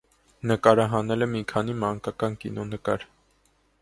Նկարահանել է մի քանի մանկական կինոնկար։